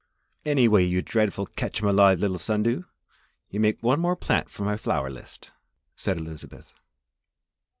"Anyway, you dreadful catch 'em alive little sun dew, you make one more plant for my flower list," said Elizabeth.